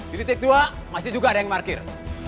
di titik dua masih juga ada yang parkir